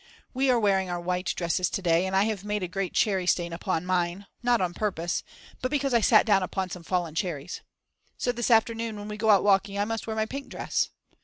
We are wearing our white dresses to day, and I have made a great cherrystain upon mine, not on purpose, but because I sat down upon some fallen cherries. So this afternoon when we go out walking I must wear my pink dress.